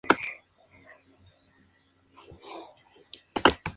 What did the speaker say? Es una organización no gubernamental, no partidista y libre de cobro de impuestos.